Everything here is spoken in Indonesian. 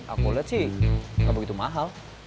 aku liat sih gak begitu mahal